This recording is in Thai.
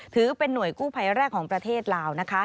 ถือเป็นหน่วยกู้ภัยแรกของประเทศลาวนะคะ